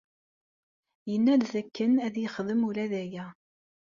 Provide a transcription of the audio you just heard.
Yenna-d dakken ad yexdem ula d aya.